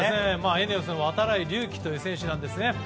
ＥＮＥＯＳの度会隆輝という選手なんですね。